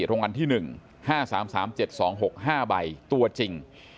รางวัลที่๑๕๓๓๗๒๖๕ใบตัวจริง